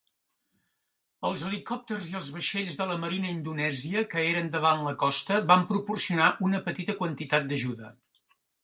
Els helicòpters i els vaixells de la marina indonèsia que eren davant la costa van proporcionar una petita quantitat d'ajuda.